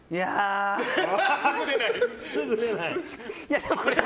すぐ出ない。